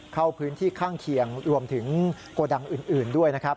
เข้าพื้นที่ข้างเคียงรวมถึงกระดังอื่นด้วย